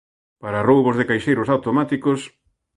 Para roubos de caixeiros automáticos...